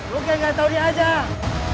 lo kaya gatau diajak